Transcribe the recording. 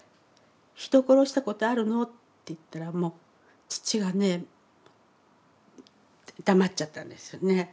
「人殺したことあるの？」って言ったらもう父がねって黙っちゃったんですよね。